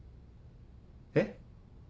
えっ？